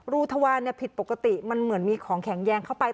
ทวารผิดปกติมันเหมือนมีของแข็งแยงเข้าไป